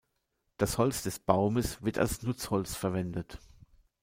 Das Holz des Baumes wird als Nutzholz verwendet.